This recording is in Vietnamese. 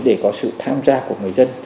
để có sự tham gia của người dân